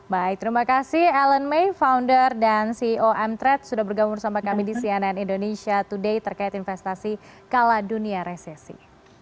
baik terima kasih ellen may founder dan ceo m trade sudah bergabung bersama kami di cnn indonesia today terkait investasi kalah dunia resesi